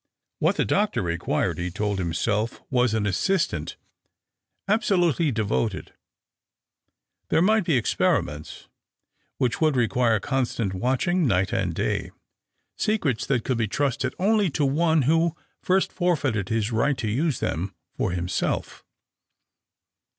What the doctor required, he told himself, was 180 THE OCTAVE OB^ CLAUDIUS. an assistant absolutely devoted ; there might be experiments which would require con stant watching night and day ; secrets that could be trusted only to one who first forfeited his rioht to use them for him self.